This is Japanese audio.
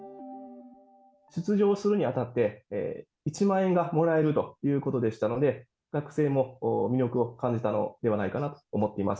出場するにあたって、１万円がもらえるということでしたので、学生も魅力を感じたのではないかなと思っています。